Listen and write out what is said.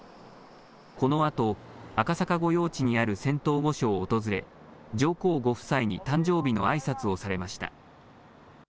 このあと赤坂御用地にある仙洞御所を訪れ上皇ご夫妻に誕生日のあいさつをされました。